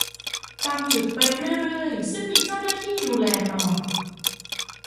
ตามจุดไปเรื่อยเรื่อย ซึ่งมีเจ้าหน้าที่ดูแลตลอด